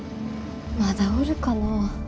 まだおるかなぁ。